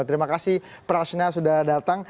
terima kasih prachna sudah datang